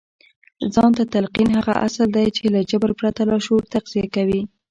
ځان ته تلقين هغه اصل دی چې له جبر پرته لاشعور تغذيه کوي.